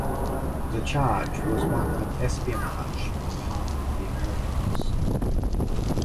The charge was one of espionage on behalf of the Americans.